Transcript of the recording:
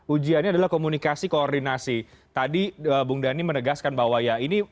ujiannya adalah komunikasi koordinasi tadi bung dhani menegaskan bahwa ya ini